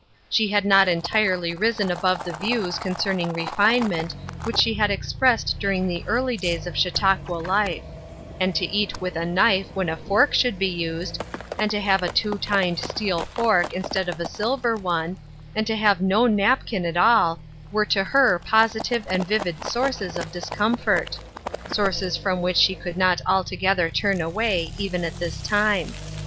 She had not entirely risen above the views concerning refinement which she had expressed during the early days of Chautauqua life ; and to eat with a knife when a fork should be used, and to have a two tined steel fork, in stead of a silver one, and to have no napkin at all, were to her positive and vivid sources of discomfort — sources from which she could not altogether turn away, even at this time.